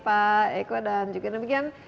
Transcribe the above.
pak eko dan juga demikian